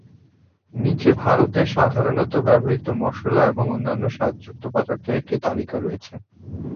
নীচে ভারতে সাধারণত ব্যবহৃত মশলা এবং অন্যান্য স্বাদযুক্ত পদার্থের একটি তালিকা রয়েছে।